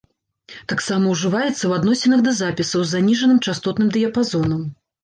Таксама ўжываецца ў адносінах да запісаў з заніжаным частотным дыяпазонам.